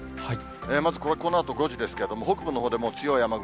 まず、このあと５時ですけれども、北部のほうでもう強い雨雲。